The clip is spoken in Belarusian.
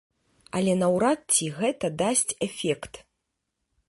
Але наўрад ці гэта дасць эфект.